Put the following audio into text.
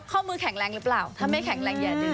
ข้อมือแข็งแรงหรือเปล่าถ้าไม่แข็งแรงอย่าดึง